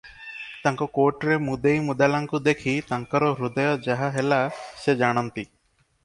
ତାଙ୍କ କୋଟ୍ରେ ମୁଦେଇ ମୁଦାଲାଙ୍କୁ ଦେଖି ତାଙ୍କର ହୃଦୟ ଯାହା ହେଲା ସେ ଜାଣନ୍ତି ।